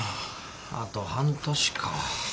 あと半年か。